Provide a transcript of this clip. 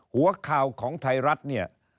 หัวข่าวของไทยรัฐเนี่ย